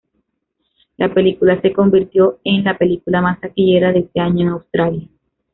La película se convirtió en la película más taquillera de ese año en Australia.